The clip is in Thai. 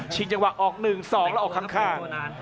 ชิงจังหวะออกหนึ่งสองแล้วออกข้างข้าง